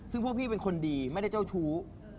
ซึ่งพวกพี่เป็นคนดีไม่ได้เจ้าชู้